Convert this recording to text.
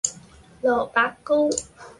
蘿蔔糕